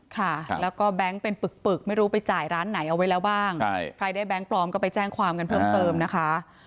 ค่ะแล้วก็แบงค์เป็นปึกไม่รู้ไปจ่ายร้านไหนเอาไว้แล้วบ้างใครได้แก๊งปลอมก็ไปแจ้งความกันเพิ่มเติมนะคะ